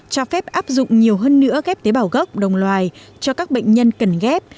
cho phép áp dụng nhiều hơn nữa ghép tế bào gốc đồng loài cho các bệnh nhân cần ghép